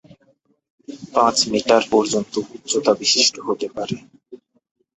পাঁচ মিটার পর্যন্ত উচ্চতা বিশিষ্ট হতে পারে।